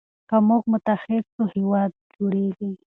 که موږ متحد سو هېواد جوړیږي.